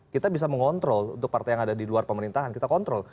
kita bisa mengontrol untuk partai yang ada di luar pemerintahan kita kontrol